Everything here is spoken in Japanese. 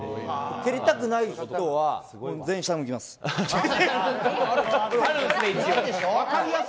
蹴りたくない人は全員、下向きます。